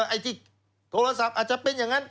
ไอ้ที่โทรศัพท์อาจจะเป็นอย่างนั้น